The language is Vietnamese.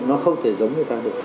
nó không thể giống người ta được